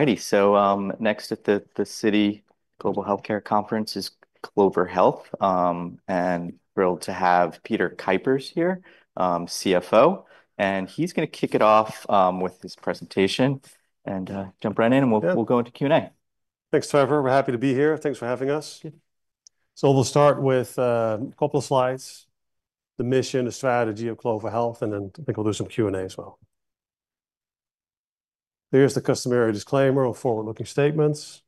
Alrighty, so next at the Citi Global Healthcare Conference is Clover Health, and thrilled to have Peter Kuipers here, CFO, and he's going to kick it off with his presentation, and jump right in, and we'll go into Q&A. Thanks, Trevor. We're happy to be here. Thanks for having us. So, we'll start with a couple of slides: the mission, the strategy of Clover Health, and then I think we'll do some Q&A as well. Here's the customary disclaimer of forward-looking statements.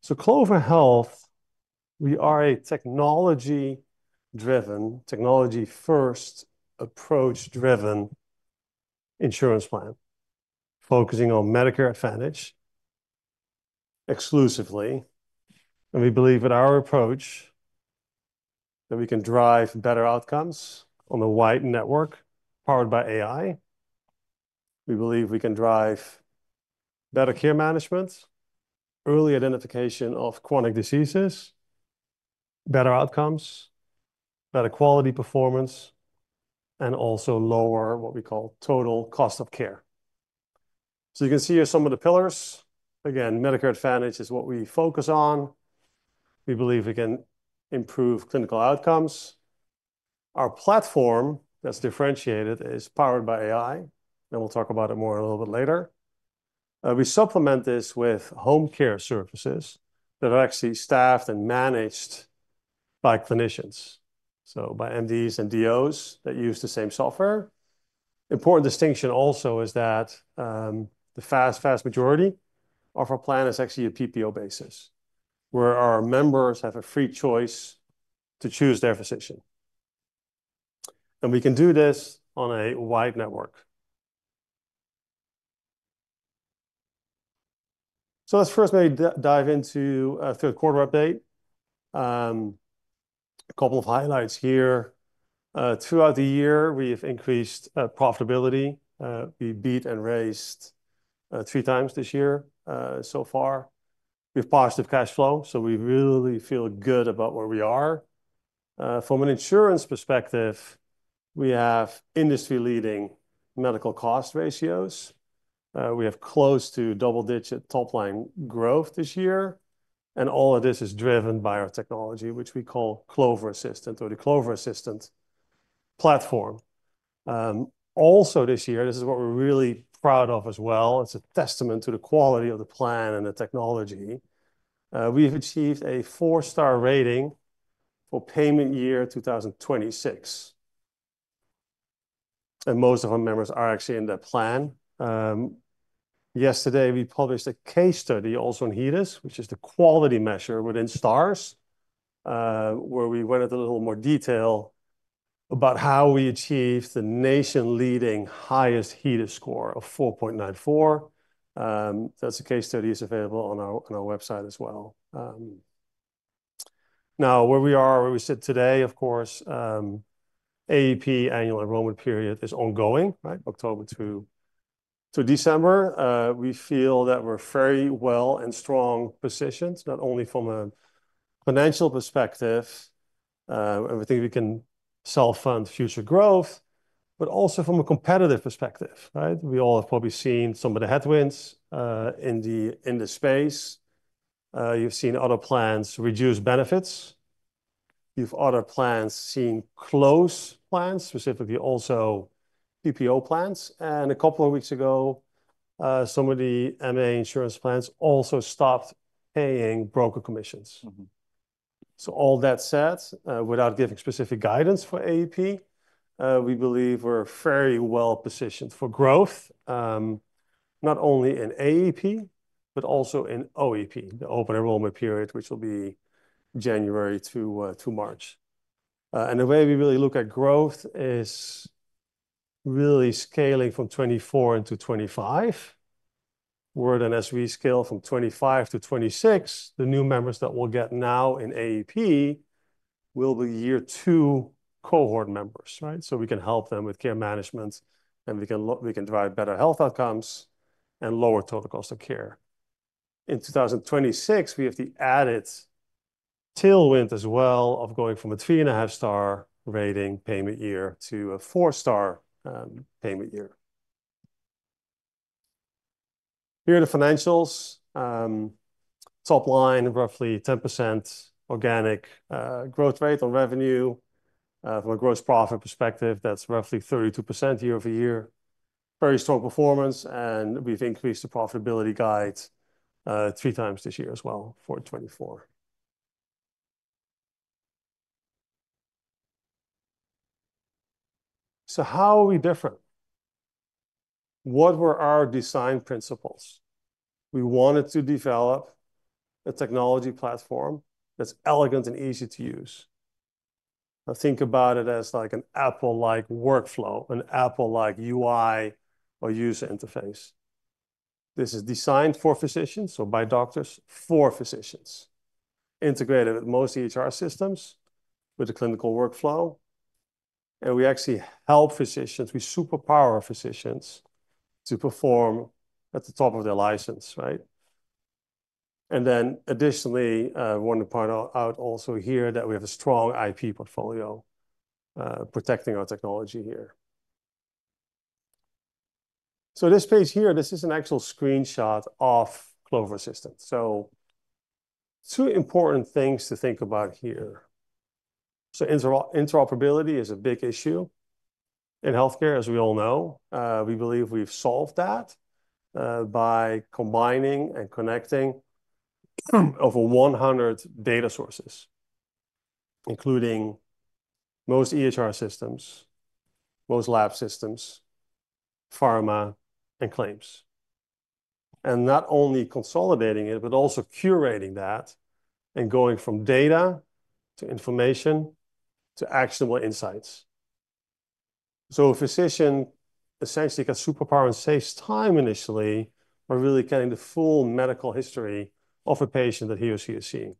So, Clover Health, we are a technology-driven, technology-first approach-driven insurance plan focusing on Medicare Advantage exclusively. And we believe with our approach that we can drive better outcomes on the wide network powered by AI. We believe we can drive better care management, early identification of chronic diseases, better outcomes, better quality performance, and also lower what we call total cost of care. So, you can see here some of the pillars. Again, Medicare Advantage is what we focus on. We believe we can improve clinical outcomes. Our platform that's differentiated is powered by AI, and we'll talk about it more a little bit later. We supplement this with home care services that are actually staffed and managed by clinicians. So, by MDs and DOs that use the same software. Important distinction also is that the vast, vast majority of our plan is actually a PPO basis, where our members have a free choice to choose their physician. And we can do this on a wide network. So, let's first maybe dive into a third-quarter update. A couple of highlights here. Throughout the year, we have increased profitability. We beat and raised three times this year, so far. We have positive cash flow, so we really feel good about where we are. From an insurance perspective, we have industry-leading medical cost ratios. We have close to double-digit top-line growth this year. And all of this is driven by our technology, which we call Clover Assistant or the Clover Assistant platform. Also this year, this is what we're really proud of as well. It's a testament to the quality of the plan and the technology. We've achieved a 4.0-star rating for payment year 2026, and most of our members are actually in that plan. Yesterday, we published a case study also in HEDIS, which is the quality measure within Stars, where we went into a little more detail about how we achieved the nation-leading highest HEDIS score of 4.94. That's a case study that is available on our website as well. Now, where we are, where we sit today, of course, AEP (annual enrollment period) is ongoing, right, October to December. We feel that we're very well and strong positioned, not only from a financial perspective, and we think we can self-fund future growth, but also from a competitive perspective, right? We all have probably seen some of the headwinds in the space. You've seen other plans reduce benefits. You've seen other plans close plans, specifically also PPO plans. And a couple of weeks ago, some of the MA insurance plans also stopped paying broker commissions. So, all that said, without giving specific guidance for AEP, we believe we're very well positioned for growth, not only in AEP, but also in OEP, the open enrollment period, which will be January to March. And the way we really look at growth is really scaling from 2024 into 2025. Where then, as we scale from 2025 to 2026, the new members that we'll get now in AEP will be year two cohort members, right? So, we can help them with care management, and we can drive better health outcomes and lower total cost of care. In 2026, we have the added tailwind as well of going from a 3.5 Star rating payment year to a 4-star payment year. Here are the financials. Top line, roughly 10% organic growth rate on revenue. From a gross profit perspective, that's roughly 32% year-over-year. Very strong performance, and we've increased the profitability guide three times this year as well for 2024. So, how are we different? What were our design principles? We wanted to develop a technology platform that's elegant and easy to use. Now think about it as like an Apple-like workflow, an Apple-like UI or user interface. This is designed for physicians, so by doctors for physicians, integrated with most EHR systems with the clinical workflow. And we actually help physicians. We superpower physicians to perform at the top of their license, right? And then additionally, I want to point out also here that we have a strong IP portfolio protecting our technology here. So, this page here, this is an actual screenshot of Clover Assistant. So, two important things to think about here. So, interoperability is a big issue in healthcare, as we all know. We believe we've solved that by combining and connecting over 100 data sources, including most EHR systems, most lab systems, pharma, and claims. And not only consolidating it, but also curating that and going from data to information to actionable insights. So, a physician essentially gets superpowered and saves time initially by really getting the full medical history of a patient that he or she is seeing.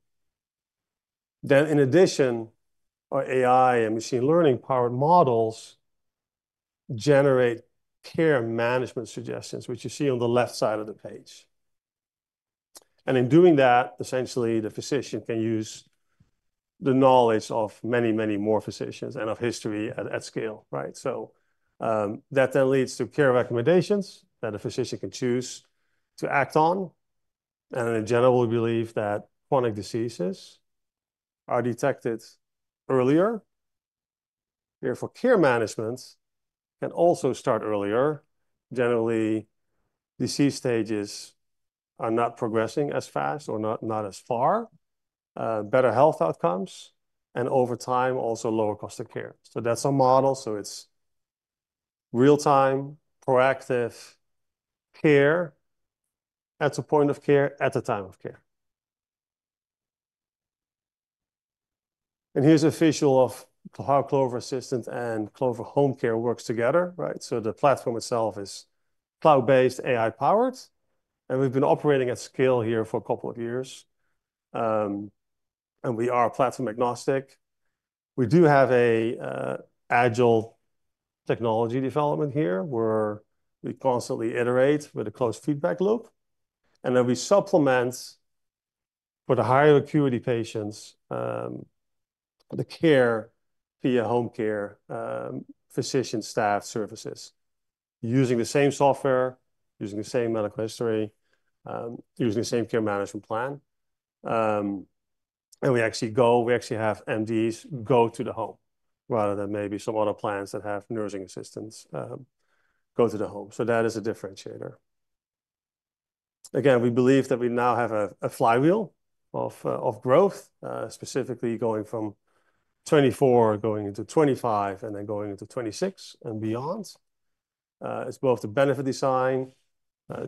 Then in addition, our AI and machine learning-powered models generate care management suggestions, which you see on the left side of the page. In doing that, essentially, the physician can use the knowledge of many, many more physicians and of history at scale, right? That then leads to care recommendations that a physician can choose to act on. In general, we believe that chronic diseases are detected earlier. Therefore, care management can also start earlier. Generally, disease stages are not progressing as fast or not as far, better health outcomes, and over time, also lower cost of care. That's our model. It's real-time, proactive care at the point of care, at the time of care. Here's a visual of how Clover Assistant and Clover Home Care work together, right? The platform itself is cloud-based, AI-powered. We've been operating at scale here for a couple of years. We are platform agnostic. We do have an agile technology development here where we constantly iterate with a closed feedback loop. And then we supplement for the higher acuity patients the care via home care physician staff services using the same software, using the same medical history, using the same care management plan. And we actually go, we actually have MDs go to the home rather than maybe some other plans that have nursing assistants go to the home. So, that is a differentiator. Again, we believe that we now have a flywheel of growth, specifically going from 2024, going into 2025, and then going into 2026 and beyond. It's both the benefit design,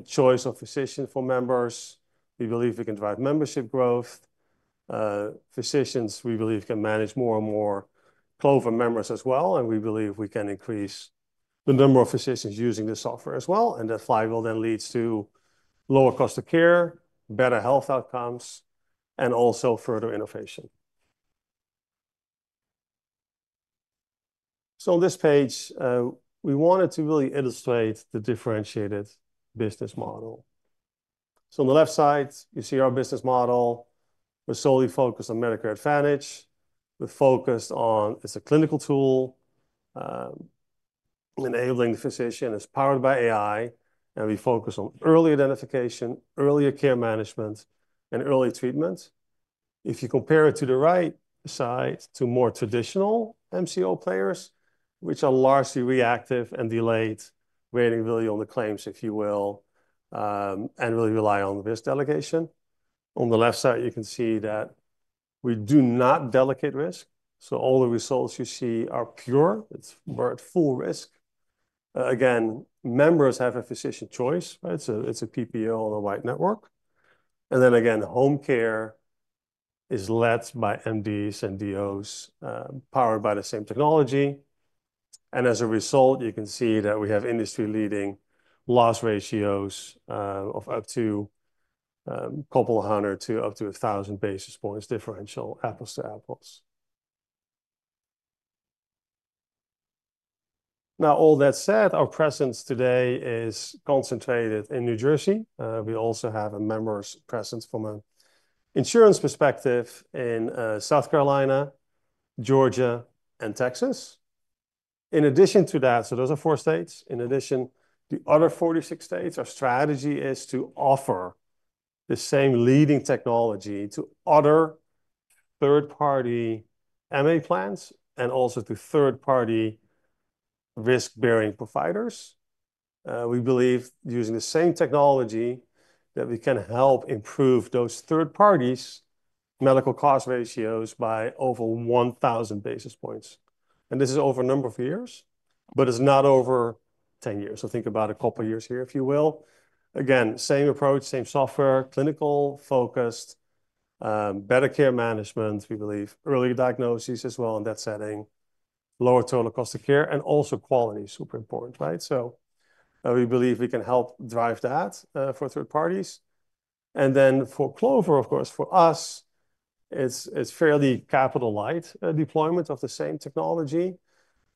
choice of physician for members. We believe we can drive membership growth. Physicians, we believe, can manage more and more Clover members as well. And we believe we can increase the number of physicians using this software as well. And that flywheel then leads to lower cost of care, better health outcomes, and also further innovation. So, on this page, we wanted to really illustrate the differentiated business model. So, on the left side, you see our business model. We're solely focused on Medicare Advantage. We're focused on, it's a clinical tool enabling the physician. It's powered by AI. And we focus on early identification, earlier care management, and early treatment. If you compare it to the right side, to more traditional MCO players, which are largely reactive and delayed, waiting really on the claims, if you will, and really rely on risk delegation. On the left side, you can see that we do not delegate risk. So, all the results you see are pure. It's full risk. Again, members have a physician choice, right? It's a PPO on a wide network. And then again, home care is led by MDs and DOs powered by the same technology. And as a result, you can see that we have industry-leading loss ratios of up to a couple of hundred to up to a thousand basis points differential, apples to apples. Now, all that said, our presence today is concentrated in New Jersey. We also have members present from an insurance perspective in South Carolina, Georgia, and Texas. In addition to that, so those are four states. In addition, the other 46 states, our strategy is to offer the same leading technology to other third-party MA plans and also to third-party risk-bearing providers. We believe using the same technology that we can help improve those third-party medical cost ratios by over 1,000 basis points. And this is over a number of years, but it's not over 10 years. So, think about a couple of years here, if you will. Again, same approach, same software, clinical-focused, better care management, we believe, early diagnosis as well in that setting, lower total cost of care, and also quality is super important, right. So, we believe we can help drive that for third parties, and then for Clover, of course, for us, it's fairly capital-light deployment of the same technology.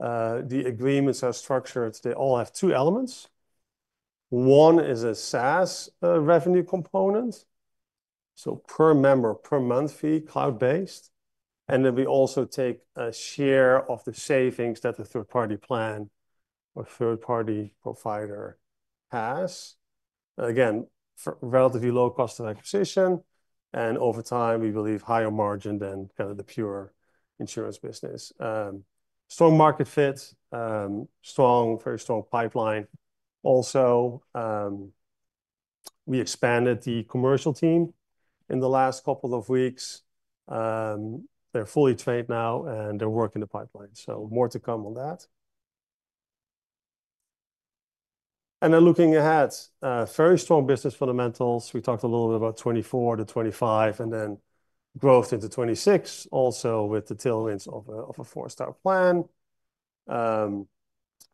The agreements are structured. They all have two elements. One is a SaaS revenue component, so per member, per month fee, cloud-based, and then we also take a share of the savings that the third-party plan or third-party provider has. Again, relatively low cost of acquisition, and over time, we believe higher margin than kind of the pure insurance business. Strong market fit, strong, very strong pipeline, also, we expanded the commercial team in the last couple of weeks. They're fully trained now, and they're working the pipeline. So, more to come on that. And then looking ahead, very strong business fundamentals. We talked a little bit about 2024 to 2025 and then growth into 2026, also with the tailwinds of a 4-star plan.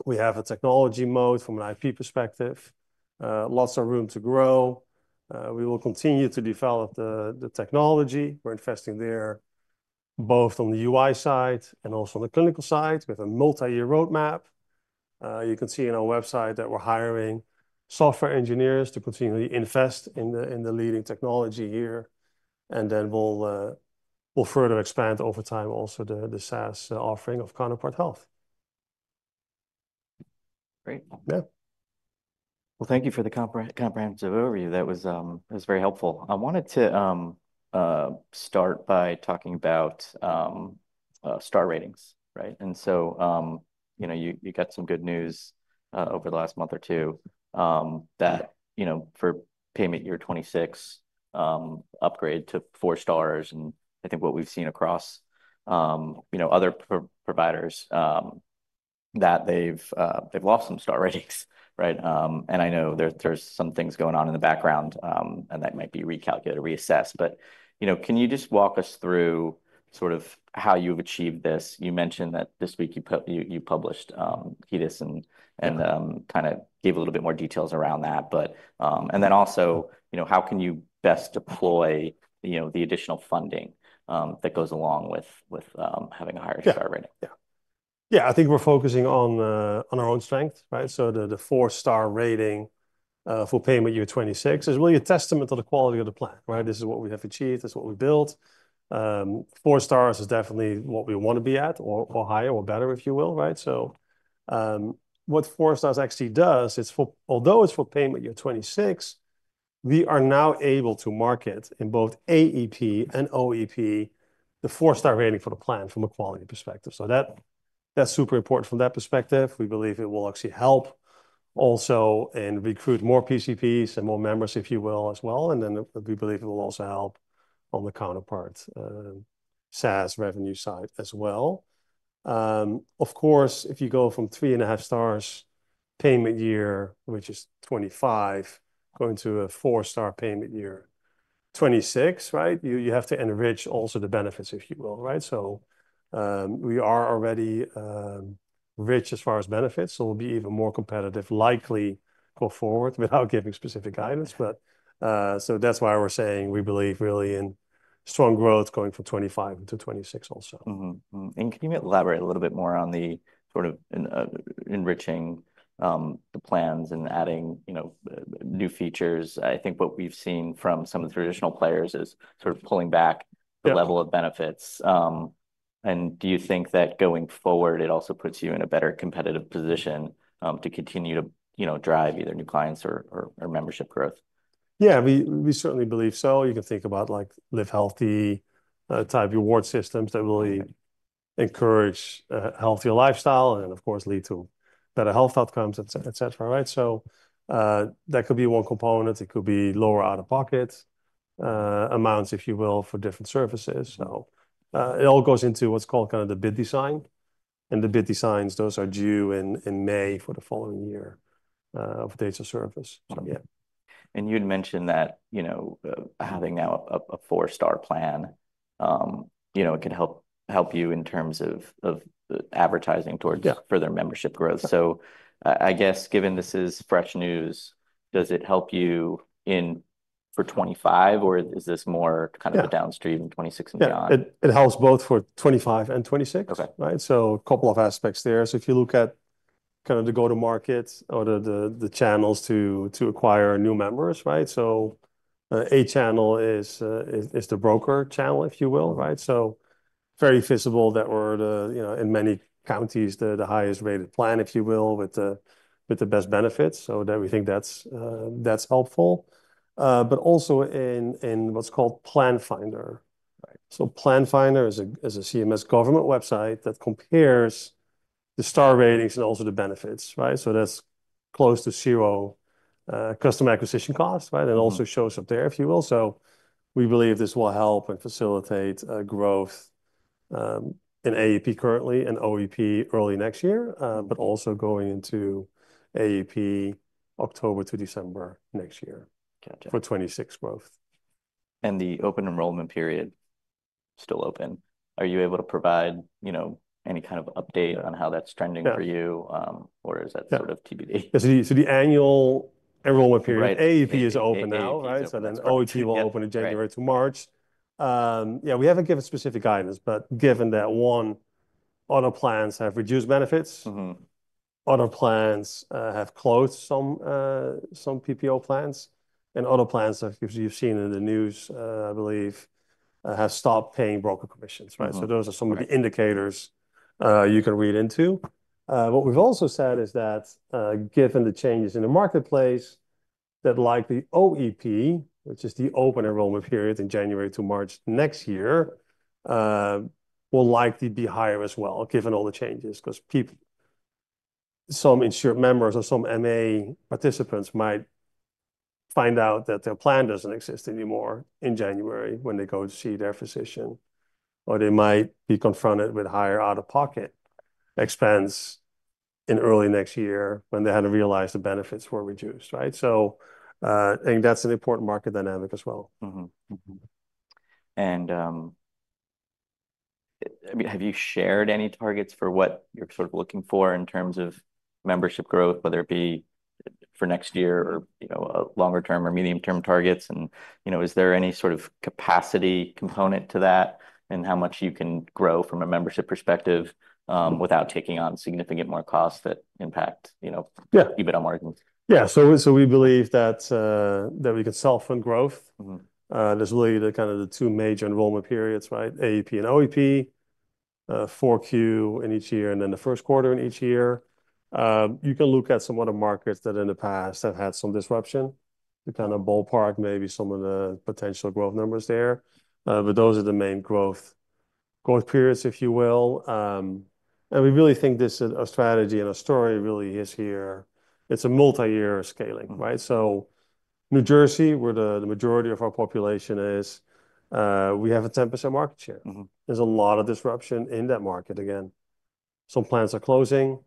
We have a technology moat from an IP perspective. Lots of room to grow. We will continue to develop the technology. We're investing there both on the UI side and also on the clinical side. We have a multi-year roadmap. You can see on our website that we're hiring software engineers to continually invest in the leading technology here. And then we'll further expand over time also the SaaS offering of Counterpart Health. Great. Yeah. Well, thank you for the comprehensive overview. That was very helpful. I wanted to start by talking about Star Ratings, right? You got some good news over the last month or two that for payment year 2026, upgrade to 4 Stars. I think what we've seen across other providers, that they've lost some star ratings, right? I know there's some things going on in the background, and that might be recalculated, reassessed. Can you just walk us through sort of how you've achieved this? You mentioned that this week you published HEDIS and kind of gave a little bit more details around that. Then also, how can you best deploy the additional funding that goes along with having a higher star rating? Yeah. Yeah, I think we're focusing on our own strength, right? The 4-star 20for payment year 26 is really a testament to the quality of the plan, right? This is what we have achieved. This is what we built. 4.0 Stars is definitely what we want to be at or higher or better, if you will, right? So, what 4.0 Stars actually does is, although it's for payment year 2026, we are now able to market in both AEP and OEP the 4-star rating for the plan from a quality perspective. So, that's super important from that perspective. We believe it will actually help also in recruiting more PCPs and more members, if you will, as well. And then we believe it will also help on the Counterpart SaaS revenue side as well. Of course, if you go from 3.5 Stars payment year, which is 2025, going to a 4-star payment year 2026, right? You have to enrich also the benefits, if you will, right? So, we are already rich as far as benefits. So, we'll be even more competitive, likely go forward without giving specific guidance. But so, that's why we're saying we believe really in strong growth going from 2025 into 2026 also. And can you elaborate a little bit more on the sort of enriching the plans and adding new features? I think what we've seen from some of the traditional players is sort of pulling back the level of benefits. And do you think that going forward, it also puts you in a better competitive position to continue to drive either new clients or membership growth? Yeah, we certainly believe so. You can think about like LiveHealthy type reward systems that really encourage a healthier lifestyle and, of course, lead to better health outcomes, et cetera, right? So, that could be one component. It could be lower out-of-pocket amounts, if you will, for different services. So, it all goes into that's called kind of the bid design. And the bid designs, those are due in May for the following year of date of service. So, yeah. And you'd mentioned that having now a 4-star plan, it can help you in terms of advertising towards further membership growth. So, I guess given this is fresh news, does it help you for 2025, or is this more kind of a downstream in 2026 and beyond? It helps both for 2025 and 2026, right? So, a couple of aspects there. So, if you look at kind of the go-to-market or the channels to acquire new members, right? So, a channel is the broker channel, if you will, right? So, very visible that we're in many counties, the highest-rated plan, if you will, with the best benefits. So, we think that's helpful. But also in what's called Plan Finder. So, Plan Finder is a CMS government website that compares the Star Ratings and also the benefits, right? So, that's close to zero customer acquisition cost, right? And also shows up there, if you will. So, we believe this will help and facilitate growth in AEP currently and OEP early next year but also going into AEP October to December next year for 2026 growth. And the Open Enrollment Period is still open. Are you able to provide any kind of update on how that's trending for you, or is that sort of TBD? So, the Annual Enrollment Period, AEP, is open now, right? So, then OEP will open in January to March. Yeah, we haven't given specific guidance, but given that one other plans have reduced benefits, other plans have closed some PPO plans, and other plans that you've seen in the news, I believe, have stopped paying broker commissions, right? So, those are some of the indicators you can read into. What we've also said is that given the changes in the marketplace, that likely OEP, which is the open enrollment period in January to March next year, will likely be higher as well, given all the changes, because some insured members or some MA participants might find out that their plan doesn't exist anymore in January when they go to see their physician. Or they might be confronted with higher out-of-pocket expense in early next year when they hadn't realized the benefits were reduced, right? So, I think that's an important market dynamic as well. Have you shared any targets for what you're sort of looking for in terms of membership growth, whether it be for next year or longer-term or medium-term targets? Is there any sort of capacity component to that and how much you can grow from a membership perspective without taking on significant more costs that impact your margins? Yeah. We believe that we can sell from growth. There's really kind of the two major enrollment periods, right? AEP and OEP, 4Q in each year, and then the first quarter in each year. You can look at some other markets that in the past have had some disruption to kind of ballpark maybe some of the potential growth numbers there. Those are the main growth periods, if you will. We really think this is a strategy and a story really is here. It's a multi-year scaling, right? So, New Jersey, where the majority of our population is, we have a 10% market share. There's a lot of disruption in that market again. Some plans are closing,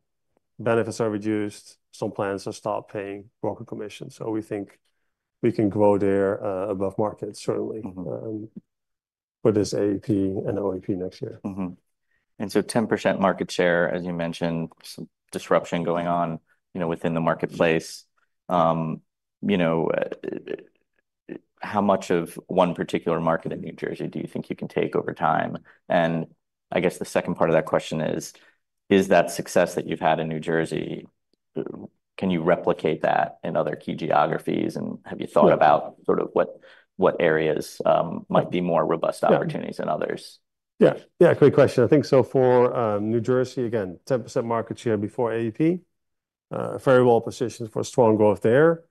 benefits are reduced, some plans are stopped paying broker commissions. So, we think we can grow there above market, certainly, for this AEP and OEP next year. And so 10% market share, as you mentioned, disruption going on within the marketplace. How much of one particular market in New Jersey do you think you can take over time? And I guess the second part of that question is, is that success that you've had in New Jersey, can you replicate that in other key geographies? And have you thought about sort of what areas might be more robust opportunities than others? Yeah, yeah, great question. I think so for New Jersey, again, 10% market share before AEP, very well positioned for strong growth there.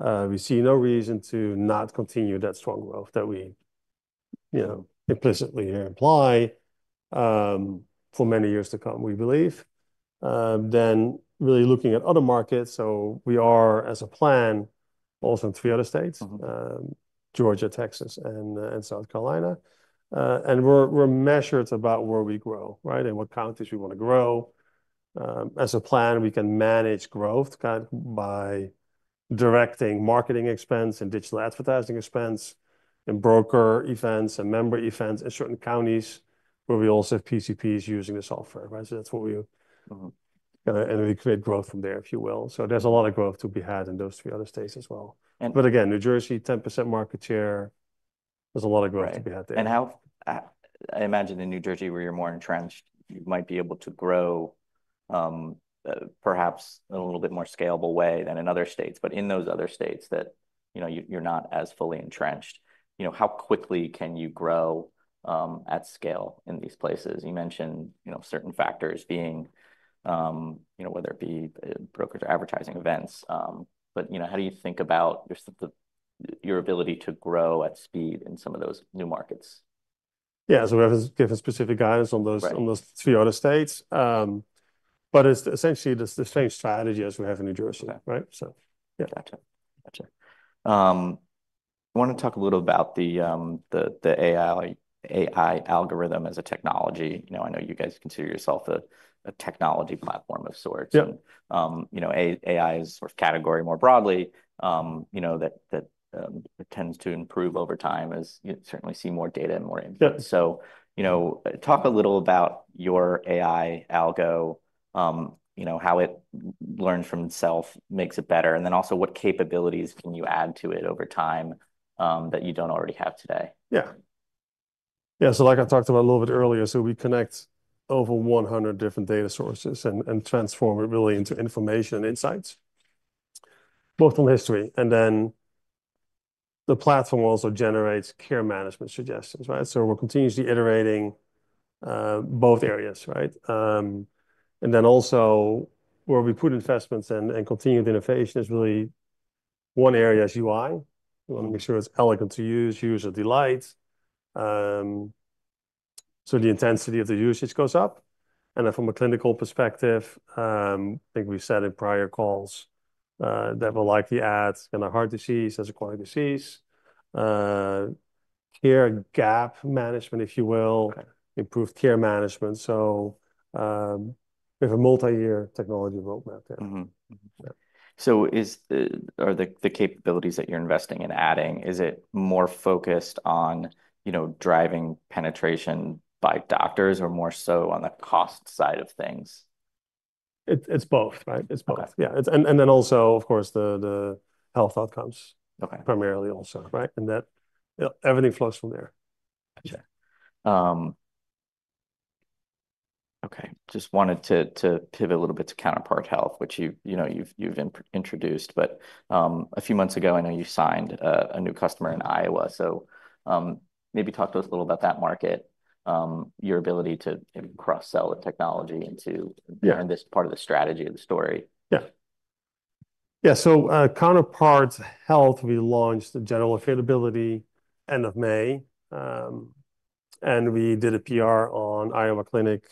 We see no reason to not continue that strong growth that we implicitly here imply for many years to come, we believe, then really looking at other markets, so we are as a plan also in three other states, Georgia, Texas, and South Carolina, and we're methodical about where we grow, right. And what counties we want to grow. As a plan, we can manage growth kind of by directing marketing expense and digital advertising expense and broker events and member events in certain counties where we also have PCPs using the software, right? So, that's what we kind of, and we create growth from there, if you will, so, there's a lot of growth to be had in those three other states as well. But again, New Jersey, 10% market share, there's a lot of growth to be had there. And I imagine in New Jersey where you're more entrenched, you might be able to grow perhaps in a little bit more scalable way than in other states. But in those other states that you're not as fully entrenched, how quickly can you grow at scale in these places? You mentioned certain factors being, whether it be brokerage or advertising events. But how do you think about your ability to grow at speed in some of those new markets? Yeah, so we have a specific guidance on those three other states. But essentially, the same strategy as we have in New Jersey, right? So yeah. Gotcha. Gotcha. I want to talk a little about the AI algorithm as a technology. I know you guys consider yourself a technology platform of sorts. AI is a category more broadly that tends to improve over time as you certainly see more data and more input. So, talk a little about your AI algo, how it learns from itself, makes it better, and then also what capabilities can you add to it over time that you don't already have today? Yeah. Yeah, so like I talked about a little bit earlier, so we connect over 100 different data sources and transform it really into information and insights, both on history. And then the platform also generates care management suggestions, right? So, we're continuously iterating both areas, right? And then also where we put investments and continue the innovation is really one area is UI. We want to make sure it's elegant to use, user delight. So, the intensity of the usage goes up. And then from a clinical perspective, I think we've said in prior calls that we'll likely add heart disease as a chronic disease, care gap management, if you will, improved Care Management. So, we have a multi-year technology roadmap there. So, are the capabilities that you're investing in adding, is it more focused on driving penetration by doctors or more so on the cost side of things? It's both, right? It's both. Yeah. And then also, of course, the health outcomes primarily also, right? And that everything flows from there. Gotcha. Okay. Just wanted to pivot a little bit to Counterpart Health, which you've introduced. But a few months ago, I know you signed a new customer in Iowa. So, maybe talk to us a little about that market, your ability to cross-sell the technology into this part of the strategy of the story. Yeah. Yeah. Counterpart Health, we launched the general availability end of May, and we did a PR on Iowa Clinic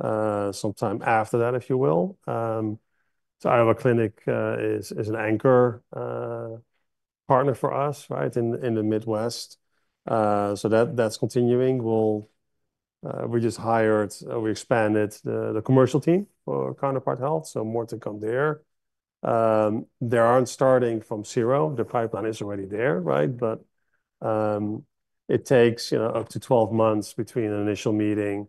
sometime after that, if you will. Iowa Clinic is an anchor partner for us, right, in the Midwest. That's continuing. We just hired, we expanded the commercial team for Counterpart Health, so more to come there. They aren't starting from zero. The pipeline is already there, right? It takes up to 12 months between an initial meeting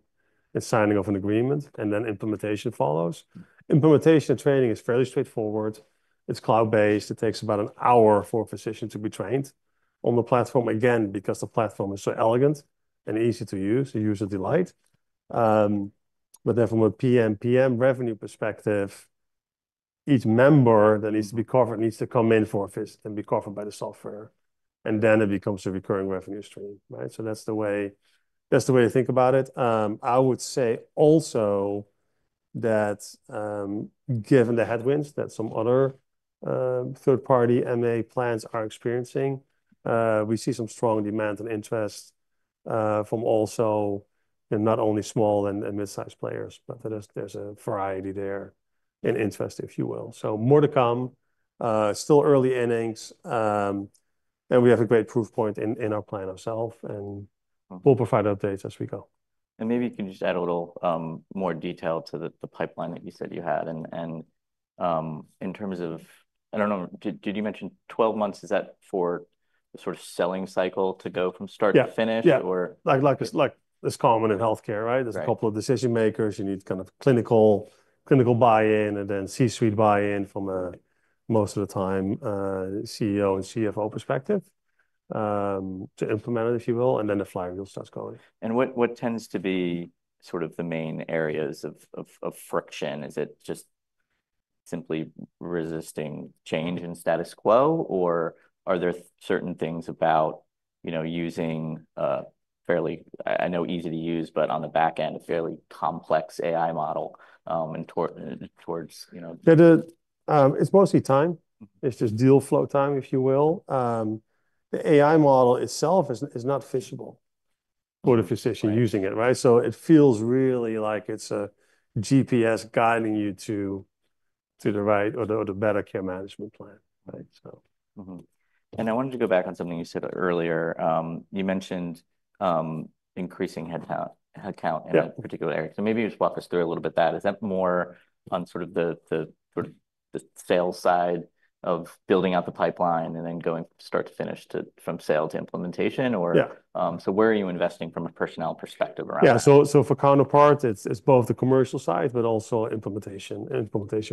and signing off an agreement, and then implementation follows. Implementation and training is fairly straightforward. It's cloud-based. It takes about an hour for a physician to be trained on the platform, again, because the platform is so elegant and easy to use, the user delight. But then from a PMPM revenue perspective, each member that needs to be covered needs to come in for a visit and be covered by the software. And then it becomes a recurring revenue stream, right? So, that's the way to think about it. I would say also that given the headwinds that some other third-party MA plans are experiencing, we see some strong demand and interest from also not only small and mid-sized players, but there's a variety there in interest, if you will. So, more to come, still early innings. And we have a great proof point in our plan ourselves, and we'll provide updates as we go. And maybe you can just add a little more detail to the pipeline that you said you had. And in terms of, I don't know, did you mention 12 months? Is that for the sort of selling cycle to go from start to finish? Yeah. Like it's common in healthcare, right? There's a couple of decision makers. You need kind of clinical buy-in and then C-suite buy-in from most of the time CEO and CFO perspective to implement it, if you will, and then the flywheel starts going. What tends to be sort of the main areas of friction? Is it just simply resisting change and status quo, or are there certain things about using a fairly, I know easy to use, but on the backend, a fairly complex AI model, too? It's mostly time. It's just deal flow time, if you will. The AI model itself is not fishable for the physician using it, right? It feels really like it's a GPS guiding you to the right or the better care management plan, right? I wanted to go back on something you said earlier. You mentioned increasing headcount in that particular area. So, maybe you just walk us through a little bit of that. Is that more on sort of the sales side of building out the pipeline and then going from start to finish from sale to implementation? Or so where are you investing from a personnel perspective around that? Yeah. So, for Counterpart, it's both the commercial side, but also implementation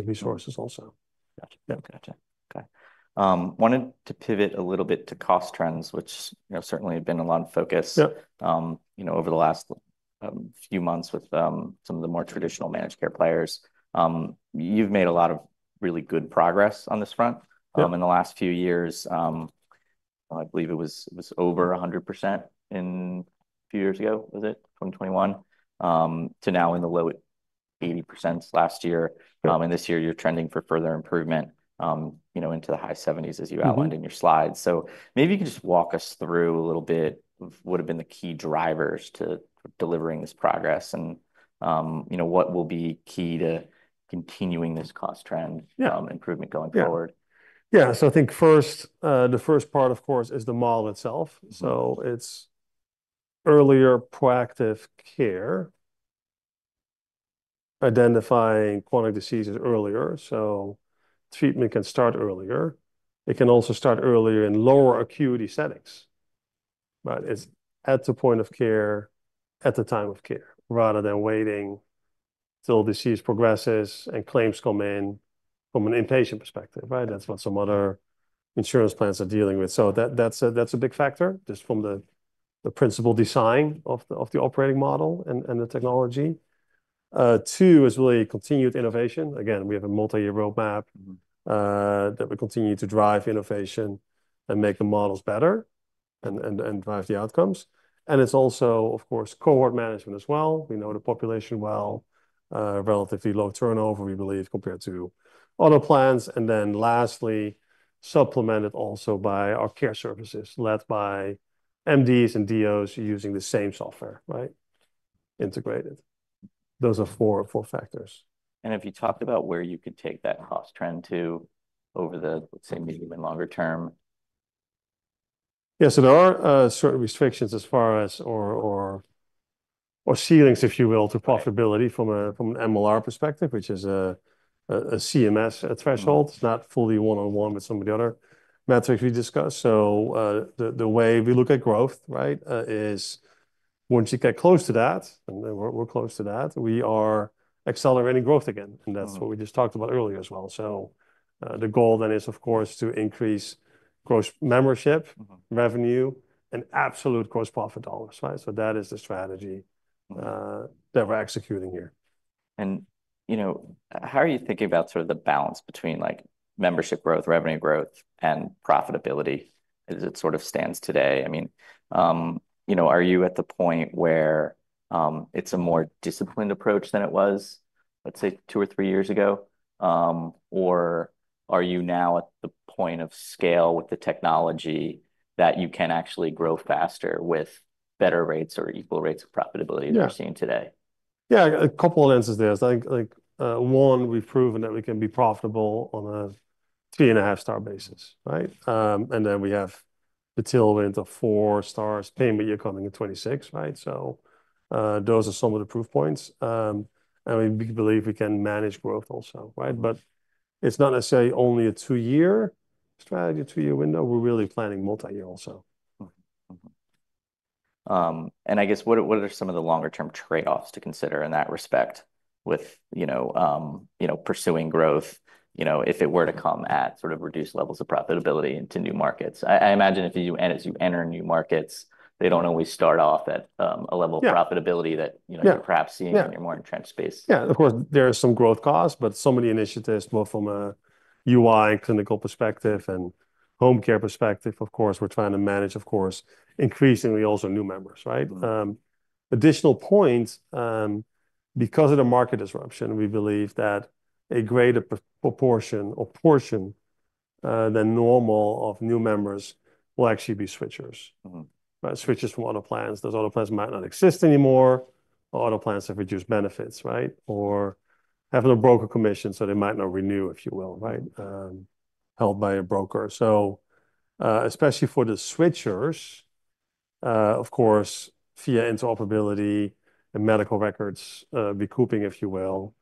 resources also. Gotcha. Gotcha. Okay. Wanted to pivot a little bit to cost trends, which certainly have been a lot of focus over the last few months with some of the more traditional managed care players. You've made a lot of really good progress on this front in the last few years. I believe it was over 100% a few years ago, was it? 2021. To now in the low 80% last year, and this year, you're trending for further improvement into the high 70s as you outlined in your slides, so maybe you can just walk us through a little bit of what have been the key drivers to delivering this progress and what will be key to continuing this cost trend improvement going forward? Yeah, so I think the first part, of course, is the model itself, so it's earlier proactive care, identifying chronic diseases earlier, so treatment can start earlier. It can also start earlier in lower acuity settings, but it's at the point of care at the time of care rather than waiting till disease progresses and claims come in from an inpatient perspective, right? That's what some other insurance plans are dealing with. So, that's a big factor just from the principal design of the operating model and the technology. Two is really continued innovation. Again, we have a multi-year roadmap that we continue to drive innovation and make the models better and drive the outcomes, and it's also, of course, cohort management as well. We know the population well, relatively low turnover, we believe, compared to other plans. And then lastly, supplemented also by our care services led by MDs and DOs using the same software, right? Integrated. Those are four factors. And have you talked about where you can take that cost trend to over the, let's say, medium and longer term? Yeah, so there are certain restrictions as far as or ceilings, if you will, to profitability from an MLR perspective, which is a CMS threshold. It's not fully one-on-one with some of the other metrics we discussed. So, the way we look at growth, right, is once you get close to that, and we're close to that, we are accelerating growth again. And that's what we just talked about earlier as well. So, the goal then is, of course, to increase gross membership revenue and absolute gross profit dollars, right? So, that is the strategy that we're executing here. And how are you thinking about sort of the balance between membership growth, revenue growth, and profitability as it sort of stands today? I mean, are you at the point where it's a more disciplined approach than it was, let's say, two or three years ago? Or are you now at the point of scale with the technology that you can actually grow faster with better rates or equal rates of profitability that we're seeing today? Yeah, a couple of answers there. I think one, we've proven that we can be profitable on a 3.5-star basis, right? And then we have the tailwind of 4.0 Stars payment year coming in 2026, right? So, those are some of the proof points. And we believe we can manage growth also, right? But it's not necessarily only a two-year strategy, two-year window. We're really planning multi-year also. And I guess what are some of the longer-term trade-offs to consider in that respect with pursuing growth if it were to come at sort of reduced levels of profitability into new markets? I imagine as you enter new markets, they don't always start off at a level of profitability that you're perhaps seeing in your more entrenched space. Yeah, of course, there are some growth costs, but so many initiatives both from a UI and clinical perspective and home care perspective, of course, we're trying to manage, of course, increasingly also new members, right? Additional points, because of the market disruption, we believe that a greater proportion or portion than normal of new members will actually be switchers, right? Switchers from other plans. Those other plans might not exist anymore. Other plans have reduced benefits, right? Or have no broker commission, so they might not renew, if you will, right? Helped by a broker. So, especially for the switchers, of course, via interoperability and medical records recouping, if you will,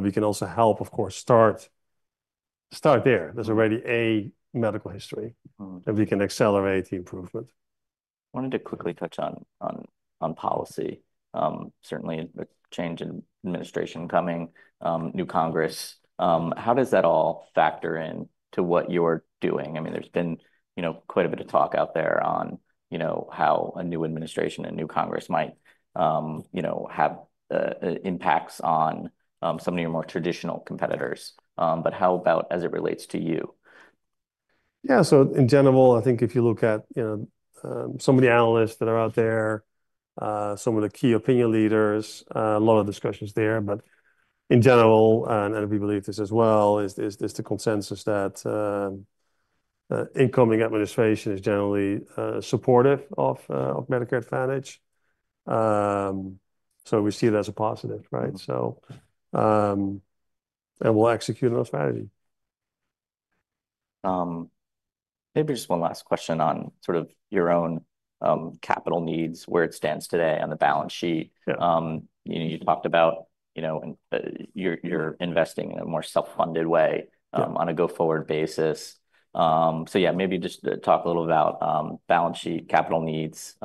we can also help, of course, start there. There's already a medical history that we can accelerate the improvement. Wanted to quickly touch on policy. Certainly, the change in administration coming, new Congress. How does that all factor into what you're doing? I mean, there's been quite a bit of talk out there on how a new administration and new Congress might have impacts on some of your more traditional competitors. But how about as it relates to you? Yeah. So, in general, I think if you look at some of the analysts that are out there, some of the key opinion leaders, a lot of discussions there. But in general, and we believe this as well, is the consensus that incoming administration is generally supportive of Medicare Advantage. So, we see it as a positive, right? And we'll execute on the strategy. Maybe just one last question on sort of your own capital needs, where it stands today on the balance sheet. You talked about you're investing in a more self-funded way on a go-forward basis. So yeah, maybe just talk a little about balance sheet capital needs.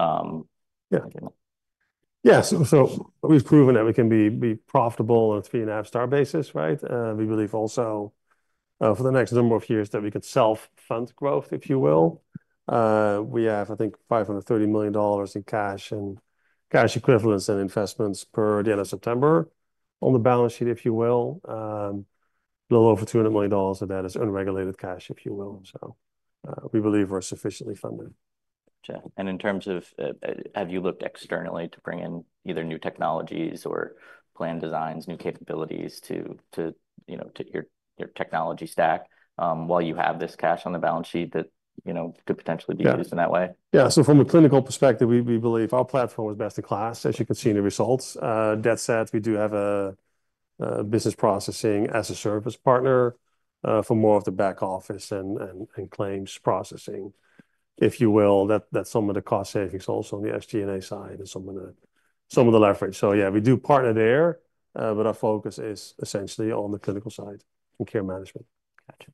Yeah. So, we've proven that we can be profitable on a 3.5-star basis, right? We believe also for the next number of years that we could self-fund growth, if you will. We have, I think, $530 million in cash and cash equivalents and investments per the end of September on the balance sheet, if you will. A little over $200 million of that is unregulated cash, if you will. So, we believe we're sufficiently funded. Gotcha. And in terms of, have you looked externally to bring in either new technologies or plan designs, new capabilities to your technology stack while you have this cash on the balance sheet that could potentially be used in that way? Yeah. So, from a clinical perspective, we believe our platform is best in class, as you can see in the results. That said, we do have a business process as a service partner for more of the back office and claims processing, if you will. That's some of the cost savings also on the SG&A side and some of the leverage. So yeah, we do partner there, but our focus is essentially on the clinical side and care management. Gotcha.